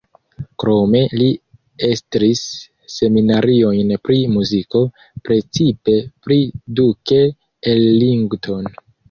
Krome li estris seminariojn pri muziko, precipe pri Duke Ellington.